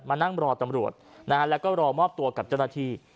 มานั่งรอตำรวจนาแล้วก็รอมอบตัวกับจตนาที